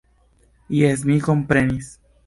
Jes, mi komprenis.